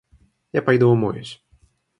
Я пойду умоюсь.